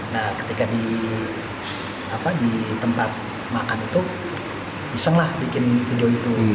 nah ketika di tempat makan itu iseng lah bikin video itu